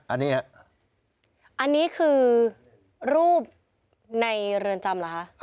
อันนี้อันนี้คือรูปในเรือนจำเหรอคะ